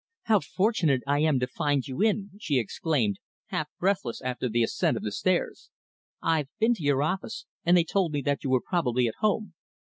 "How fortunate I am to find you in," she exclaimed, half breathless after the ascent of the stairs. "I've been to your office, and they told me that you were probably at home."